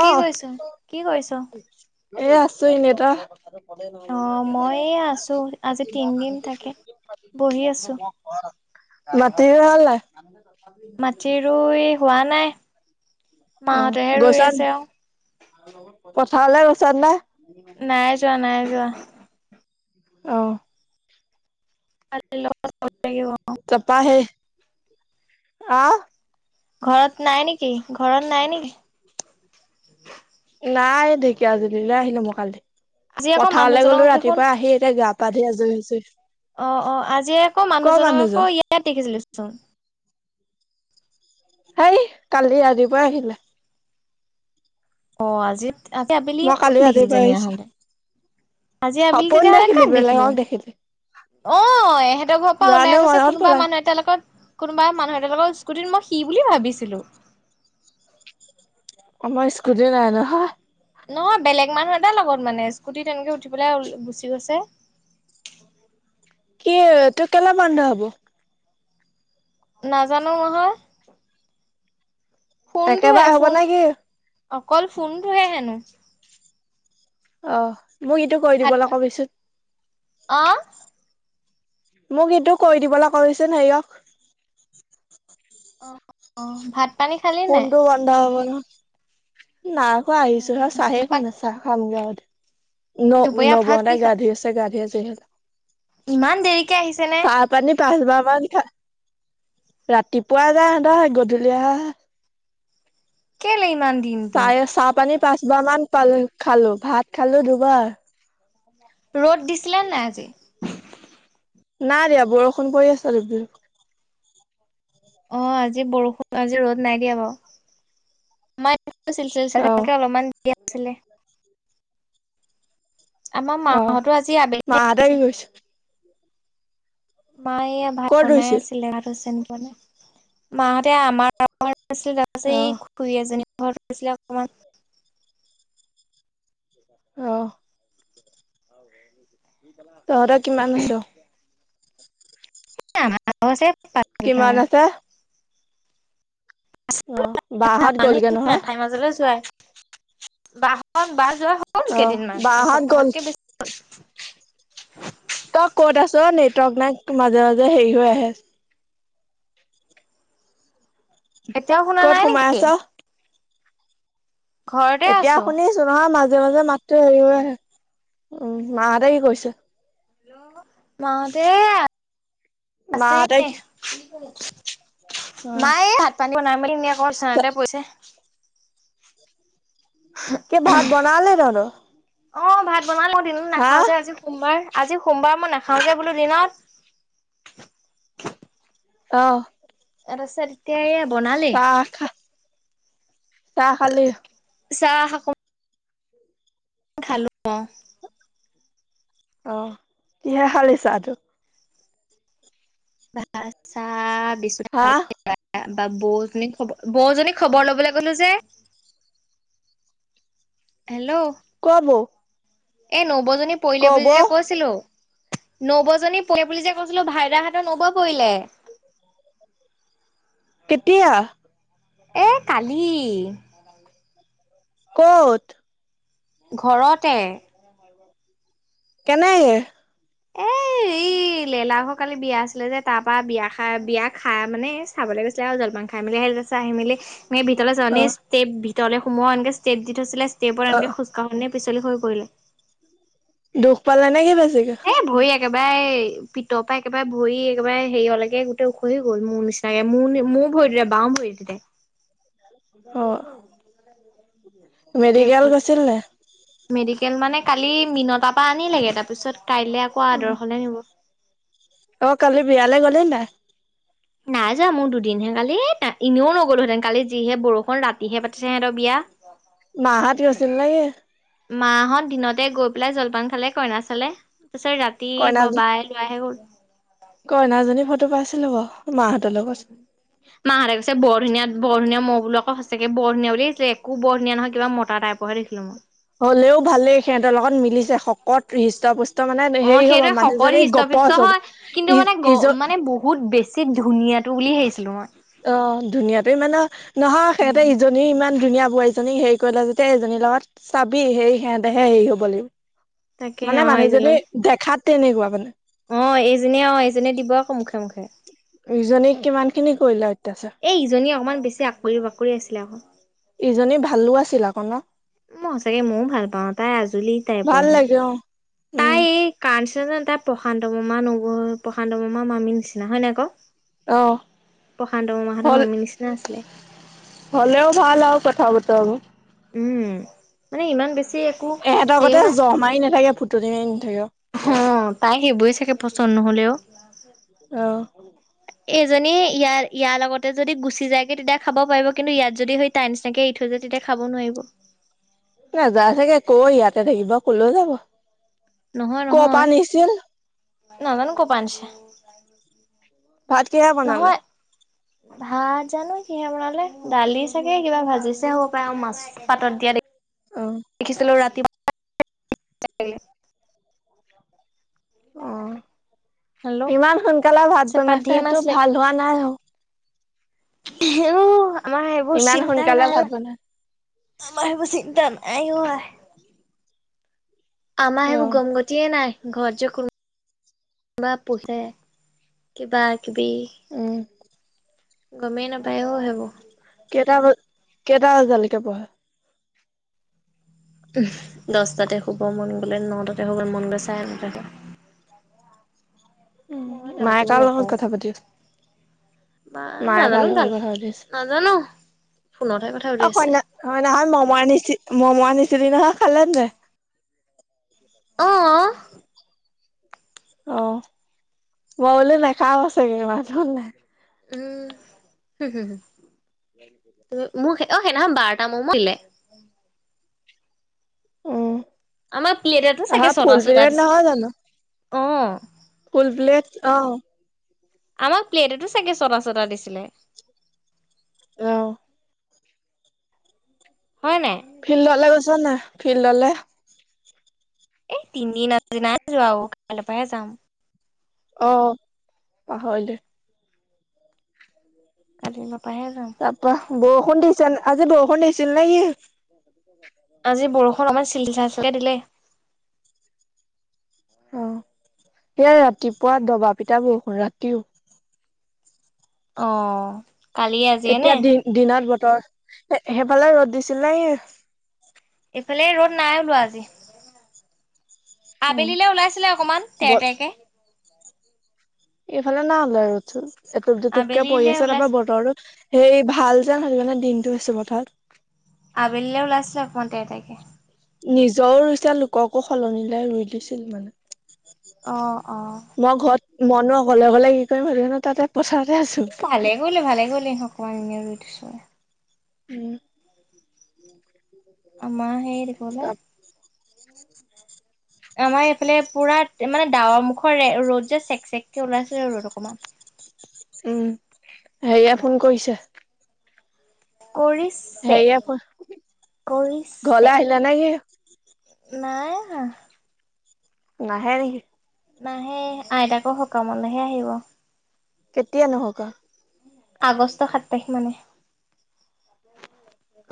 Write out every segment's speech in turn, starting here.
কি কৈছ কি কৰিছ? এ, আছো এনেই তই? অ' মই আছো আজি তিনদিন থাকে বহি আছো। [inaudible] মাতি হ'ল নাই? মাটি ৰুই হোৱা নাই। মাহেতেহে ৰুই আছে আও। পথাৰলে গৈছ না? নাই যোৱা, নাই যোৱা। অৱ। [inaudible] তাপা হে, আহ। ঘৰত নাই নেকি ঘৰত নাই নেকি? নাই ঢেকীয়াজুলিলৈ আহিলো মই কালি। আজি আকৌ পথাৰলে মানুহজনক গ'লো দেখোন ৰাতিপুৱা আহি এতিয়া গা পা ধোই আজুৰি হৈছোহে। অঁ অঁ আজি আকৌ মানুহজনক আকৌ ইয়াত দেখিছিলোচোন। সেই, কালি ৰাতিপোৱাই আহিলে। অ, আজি, আজি আবেলি মই কা কালি দেখিল যে ৰাতিপুৱাই আহিছো হ'লে। আজি আবেলি তেতিয়াহ'লে কাক দেখিলো? অ, এহেঁতৰ ঘৰৰ পৰা জানো ওলাই গৈছে মনত কোনোবা পেলালে মানুহ এট লগত। কোনোবা মানুহ এটা লগত স্কুটিত মই সি বুলি ভাবিছিলো। আমাৰ, স্কুটি নাই নহয়। নহয় বেলেগ মানুহ এটাৰ লগত মানে স্কুটিত এনেকে উঠি পেলাই গুচি গৈছে। কি তোৰ কেলে বন্ধ হব? নাজানো বোলো। ফোনটোহে, একেবাৰে হব ফোন। নে কি অকল ফোনটোহে হেনো। অহ, মোক ইটো কৈ দিবলে কবিচোন। অঁ, মোক ইটো কৰি দিবলে কবি চোন সেইয়ক। অ', অঁ। ভাত পানী খালি নাই? নাই বিনোৱা। নাই খোৱা আহিছো হে আৰু চাহে খোৱা নাই চাহ খামগে ন' দুপৰীয়া ভাত কি নবৌহঁতে খা গা ধোই আছে, গা ধোই আছে সিহঁত। ইমান দেৰিকে আহিছেনে? পানী পাঁচবাৰ মান ফা ৰাতিপুৱা যায় হেতৰ গধূলি আহে। কেলে ইমান দিন? চা এই চাহ পানী পাঁচবাৰ মান পালো খালো, ভাত খালো দুবাৰ। ৰ'দ দিছিলে নাই আজি? না দিয়া বৰষুণ পৰি আছে [unintelligible] অ, আজি বৰষুণ, আজি ৰ'দ নাই দিয়া বাও। মাই [unintelligible] অহ সেনেকে অলপমান দিয়া আছিলে। আমাৰ অহ মাহতো আজি আবেলিয়ে মাহঁতে কি আহিছে। কৰিছে? মায়ে ভাত ক'ত বনাই ৰুইছিল? আছিলে, ভাত চেনতৰ বনাই মাহঁতে আমাৰ [unintelligible] ছিল অহ তাৰপাছত ঘ এজনী ঘৰত আছিলে অকমান। অ, তহঁত কিমান আছে? আমাৰো‌ আছে। পাঁচ বিঘা কিমান মান। আছে? অঁ [unintelligible] মেঠাই মাজলৈ যোৱা। বাহক বা যোৱা হ'ল অহ কেইদিনমান। বাহঁত গ'ল এসপ্তাহতকে বেছি হ'ল। তই ক'ত আছ অ? নেটৰ্ক নাই মাজে, মাজে হেৰি হৈ আহে। এতিয়াও শুনা ক'ত নাই সোমাই নেকি? আছ ঘৰতে এতিয়া আছো শুনিছো। নহয় মাজে, মাজে মাতটো হেৰি হৈ আহে উম, মাহঁতে কি কৰিছে? হেল্ল মা হতে [unintelligible] মাহঁতে আছেই। কি অ মায়ে হাত পানী বনাই মেলিইনেই আকৌ আকৌ বিছনাতে পৰিছে। কি ভাত বনালে তহঁতৰ? অঁ ভাত বনালে মই দিনত হা নাখাও যে। আজি সোমবাৰ, ‌। আজি সোমবাৰ মই নাখাও যে বোলো দিনত অহ। ইয়াত আছে তেতিয়া এয়া বনালেই চাহ খা চাহ খালি চাহ আকৌ অ অ কিহে খালি চাহটো ভাত চাহ বিস্কুটে হা খালো বা বৌজনীক খবৰ বৌজনীক খবৰ লবলৈ গলো যে। হেল্ল ক বৌ এ নবৌজনী পৰিলে কৰ বুলি বৌ যেতিয়া কৈছিলো নবৌজনী পৰিলে বুলি যে কৈছিলো ভাইদাহঁতৰ নবৌয়ে পৰিলে কেতিয়া এ কালি ক'ত ঘৰতে কেনেকে এ উ এই লেলা ঘৰ কালি বিয়া আছিলে যে তাৰপা বিয়া খাই বিয়া খাই মানে চাবলৈ গৈছিল চাহ জলপান খাই মেলি আহিলো যে চা আহি মেলি এনে ভিতৰ অ যাৱতে ষ্টেপ ভিতৰ সোমোৱা এনকে ষ্টেপ দি থৈছিলে ষ্টেপত অ এনেক খোজকাঢ়োনে পিছলি হৈ পৰিলে দুখ পালে নে কি বেছিকে এই ভৰি একেবাৰে পিতৰ পৰা একেবাৰে ভৰি একেবাৰে হেৰিয়লকে গোটেই ওখহি গ'ল মোৰ নিচিনাকে মোৰ মোৰ ভৰিটোতে বাওঁ ভৰিটোতে অহ গোটেই ওখহিল মেডিকেল মানে কালি মিন তাৰপা আনিলেগে তাৰ পিছত কাইলে আকৌ আদৰ্শলে নিব অ কালি বিয়ালে গ'লি নাই নাই যোৱা মোৰ দুদিনহে কালি এনেও নগলোহেঁতেন কালি যিহে বৰষুণ ৰাতিহে পাতিছে সিহঁতৰ বিয়া বিয়াখন মাহঁত গৈছিল নে কি মাহঁত দিনতে গৈ পেলাই জলপান খালে কইনা চালে তাৰপিছত ৰাতি কইনা ববাইল আহি গ'ল কইনাজনী ফটো পাইছিলো বাও মাহঁতৰ লগত উম মাহঁতে কৈছে বৰ ধুনীয়া বৰ ধুনীয়া মও বোলো অ সঁচাকে বৰ ধুনীয়া বুলি ভাবিছিলো একো বৰ ধুনীয়া নহয় কিবা মতা টাইপ বাওৱে দেখিলো মই হ'লেও ভালেই সিহঁতৰ লগত মিলিছে শকত হৃষ্ট পুষ্ট ত মানে অ' হেৰি হ'ব সেইটোৱে শকত মানুহজনী হৃষ্ট পুষ্ট গপচ হব হয়। কিন্তু ই মানে গ ইজ মানে বহুত বে ছি ধুনীয়াতো বুলি ভাবিছিলো মই অ ধুনীয়াতে মানে নহয় সিহঁতে উম। ইজ নী ইমান ধুনীয়া বোৱাৰীজনী হেৰি কৰিলে যেতিয়া এইজনীৰ লগত চাবি সে সিহঁতেহে হেৰি হ'ব লাগিব তাকে মানে অ' মানুহজনী এইজনক দেখাত তেনেকোৱা মানে অ এইজনীয়ে অ এইজনীয়ে দিব আকৌ মুখে মুখে ইজনীক কিমান খিনি কৰিলা অত্যাচা? এই ইজনী অকমান বেছি আকৰি বাকৰি আছিলে আকো। ইজনী ভালো আছিল আকৌ ন'? ম সচাকে মও ভাল পাওঁ। তাই আজুলি ভাল টাইপৰহে। লাগে অ উম তাই এই কাৰণ [unintelligible] তাই প্ৰশান্ত মামা নগল। প্ৰশান্ত মামা মামী নিচিনা হয় নাই ক? অ প্ৰশান্ত মামাহত হল মামী নিচিনা আছিলে। হলেও ভাল আৰু কথা বতৰাবো। উম, মানে ইমান বেছি একো এহেত হেৰিও গতে নাছিল জহ মাৰি নাথাকে ফুটনি মাৰি নেথাকে। অ', তাই সেইবোৰে চাগে পচন্দ নহলেও। অ। এইজনী ইয়াৰ ইয়াৰ লগতে যদি গুচি যায় কে তেতিয়া খাব পাৰিব কিন্তু ইয়াত যদি তাই নিচিনাকে এৰি থৈ যদি তাই খাব নোৱাৰিব। নাযায় চাগে আকৌ ইয়াতে থাকিব, কলেও যাব। নহয় ক' পৰা নহয়, নিছিল নাজানো কপা আনিছে। ভাত কিহে বনালা? নহয় ভাত জানো কিহে বনালে, দালি চাগে কিবা ভাজিছে হ'ব পাৰে আৰু মাছ পাতত দিয়া দে অ দেখিছিলো ৰাতি [unintelligible] অ' হেল্ল' ইমান সোনকালে ভাত চেপাত বনাইছে, ধেৰ সেইটো মাছ লা ভাল হোৱা নাই আও। উ, আমাৰ সেইবোৰ ইমান চিন্তাই সোনকালে নাই। ভাত বনাই আমাৰ সেইবোৰ চিন্তা নাই ঐ। আমাৰ অ সেইবোৰ গম গতিয়ে নাই, ঘৰত যে কোনো কোনোবা পুহে, কিবা কিবি। উম গমেই নেপায় অ' সেইবোৰ। কেইটা বা কেইটা বাজালৈকে পঢ়ে? দচটাতে শুব, মন গলে নটাতে শুব, মন গলে চাৰে নটা। [unintelligible] উম, নাতো মায়ে কাৰ লগত কথা পাতি মা মায়ে কাৰ নাজানো লগত কথা ভালকে, পাতি আছে নাজানো ফোনতহে কথা পাতি অ' আছে কইনা, হয়নাখন মম আনিচি মম আনিছিলি নহয় খালে নাই? অ', অ'। অ' মই বোলো নেখাও চাগে ইমান দুওলে। উম, হু, হু। [unintelligible] মোক অ' সেইদিনাখন বাৰটা মম দিলে। উম আমাৰ প্লেটটো আহা চাগে ছটা ছটা ফুলপিৰিয়ড নহয় জানো দিছিলে? অ'। ফুল প্লেট, অ'। আমাক প্লেটটো চাগে ছটা ছটা দিছিলে? অ'। হয় নাই? ফিল্ডলে গৈছ না, ফিল্ডলে? এই তিনিদিন দিনাই যোৱাও কাইলে পাহে যাম। অ', পাহৰিলে? কালি পাপাহে যাম। তাপা বৰষুণ দিছেন আজি বৰষুণ দিছিল নে কি? [inaudible] আজি বৰষুণ আমাৰ চিলি চাচকে দিলে। অহ, সেইয়া ৰাতিপুৱা দবা পিটা বৰষুণ ৰাতি অহ এতিয়া দিন দিনত বতৰ, সেইফালে ৰ'দ দিছিলেহি এইফালে ৰ'দ নাই ওলোৱা আজি অ আবেলিলৈ ওলাইছিলে অকমান, তেৰ বত তেৰকে এইফালে নাই ওলোৱা আৰু এটুপ দুটুপকে পৰি আবেলিলে আছে, তাৰপৰা ওলাইছিলে বতৰটো সেই ভাল যেন, সেইকাৰণে দিনটো আছো পথাৰত। আবেলিলৈ ওলাইছিলে অকণমান তেৰ তেৰকে। নিজৰো ৰুইচা, লোককো সলনি লই ৰুই দিছিল মানে‌ অ অ মই ঘৰত‌ মইনো অকলে অকলে কি কৰিম, হেটো কাৰনে তাতে পথাৰতে আছোঁ। ভালে কৰিলি, ভালে কৰিলি, অকণমান এনে ৰুই দিছোঁ। উম, আমাৰ সেই দেখবলে তাৰ আমাৰ এইফালে পুৰা মানে ডাৱৰ মুখৰ ৰ'দ যে, চেক চেককে ওলাইছিলে ৰ'দ অকণমান উম, হেৰিয়ে পুৰা। ফোন কৰিছে। কৰিছ হেৰিয়ে ফোন, ঘৰলে আহিলা নেকি নাই আহা। নাই নেকি? নাহে, আইতাকৰ সকামলৈহে আহিব। কেতিয়ানো সকাম আগষ্ট সাত তাৰিখ মানে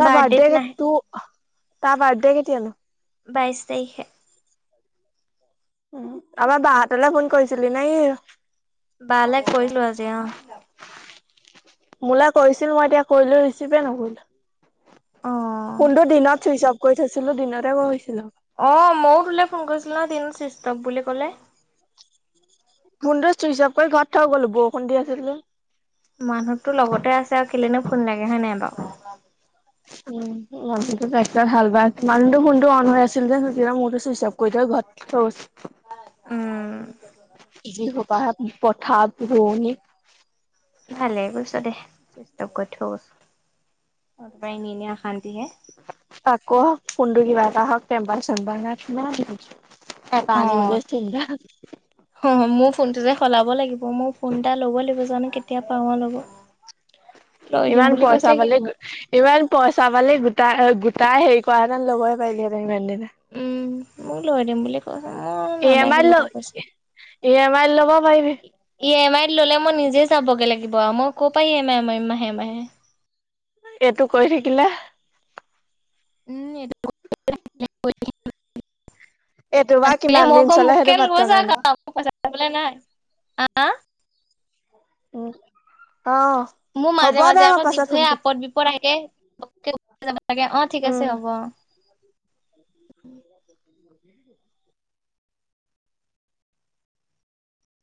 তাৰ বাৰ্থডেত বাৰ্থডে নাহে তোৰ, তাৰ বাৰ্থডে কেতিয়া? বাইছ তাৰিখে। উম, আমাৰ বাহ হতলে ফোন কৰিছিলি নেকি? বালে কৰিলো আজি অহ। মোৰলে কৰিছিল, মই এতিয়া কৰিলো ৰিচিভে নকৰিলে। অ কোনটো দিনত চুইচ অফ কৰি থৈছিলোঁ। দিনতে কৈ কৈছিলোঁ। অ মইও তোলে ফোন কৰিছিল নহ, কিন্তু ছুইটচ অফ বুলি কলে। ফোনটো চুইচ অফ কৰি ঘৰত থৈ গ'লো, বৰষুণ দি আছিল যে মানুহতো লগতে আছে আৰু কেলেনো ফোন লাগে হয় নে নাই বাৰু‌ উম, মানুহটোৰ হাল বাই, মানুহটো ফোনটো অন হৈ আছিল যে মোৰতো ছুইচ অফ কৈ থৈ গ'ল, ঘৰত উম। যি সোপাহে পথাৰত ৰোৱণি ভালেই কৰিছ দে, চুইছ অফ কৰি থৈছো নহ তাৰ পৰা এনে এনে অশান্তি হে। আকৌ ফোনটোৰ কিবা এটা হওক, টেম্পাৰ চেম্পাৰ নাই কিমান এবাৰ অ আনিবলৈ চিন্তা অ' মোৰ ফোনটো যে সলাব লাগিব, মোৰ ফোন এটা ল'ব লাগিব, জানো কেতিয়া পাওঁ ল'বলৈ [unintelligible] ইমান পইচা পালি ইমান পইচা পালি, গোটাই গোটাই হেৰি কৰা হেতিন লবই পাৰিলি হেতেন ইমান দিনে। উম, মোক লই দিম বুলি কৈছে মোৰ ই এ নালাগে মাআই লোকৰ লৈ, পইচা। ই এ মাআইত লব পাৰিবি। ই এ মাইত ললে মই নিজে যাবগৈ লাগিব আৰু মই ক'ৰ পাই ই এ মাই মাৰিম মাহে মাহে। এইটো কৰি থাকিলে। উম' এটো। এইটো বা কিমান [unintelligible] [inaudible] দিন চলে সেইটো মুকে লৈ পাত্তা নাই যাওক নহয় আও। [unintelligible] উম' অ'। মোৰ হ'ব মাজে দে মাজে মই আকৌ পাছত ফোন যিবোৰহে কৰিম আপদ বিপদ আহি থাকে লাগে অ' ঠিক উম আছে হ'ব।